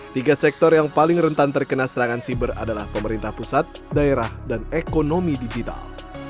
tiga sektor yang paling rentan terkena serangan siber adalah pemerintah pusat daerah dan ekonomi digital